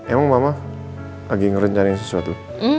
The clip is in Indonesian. emang mama lagi ngerencanain sesuatu